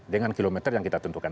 dengan kilometer yang kita tentukan